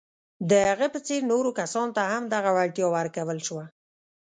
د هغه په څېر نورو کسانو ته هم دغه وړتیا ورکول شوه.